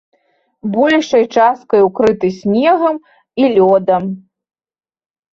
Большай часткай укрыты снегам і лёдам.